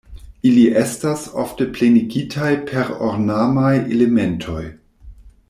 Ili estas ofte plenigitaj per ornamaj elementoj.